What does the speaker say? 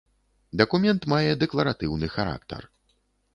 Дакумент мае дэкларатыўны характар.